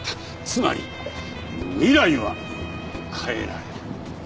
つまり未来は変えられる。